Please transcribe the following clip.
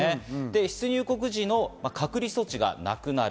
出入国時の隔離措置がなくなる。